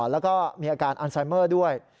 แล้วก็มีอาการอันไซเมอร์ด้วย